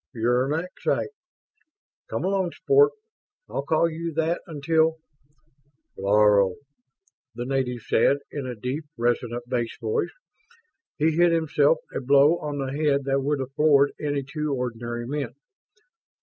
"Uranexite. Come along, Sport. I'll call you that until ..." "Laro," the native said, in a deep resonant bass voice. He hit himself a blow on the head that would have floored any two ordinary men.